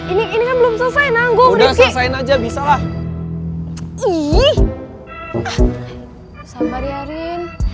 ini ini belum selesai nanggung disini aja bisa lah iiih